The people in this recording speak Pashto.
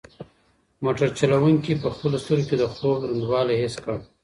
موټر چلونکي په خپلو سترګو کې د خوب دروندوالی حس کړ.